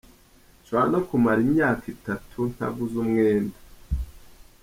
Nshobora no kumara imyaka itatu ntaguze umwenda.